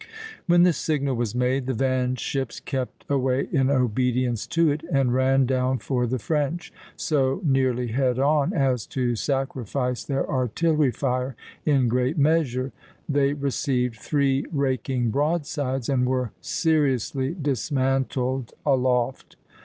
When the signal was made, the van ships kept away in obedience to it, and ran down for the French so nearly head on (B, B) as to sacrifice their artillery fire in great measure; they received three raking broadsides, and were seriously dismantled aloft.